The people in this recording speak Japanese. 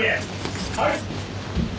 はい！